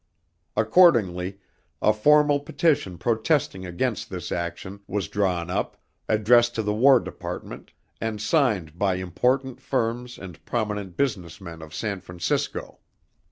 Accordingly, a formal petition protesting against this action, was drawn up, addressed to the War Department, and signed by important firms and prominent business men of San Francisco.